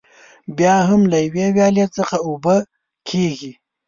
بیا هم له یوې ویالې څخه اوبه کېږي.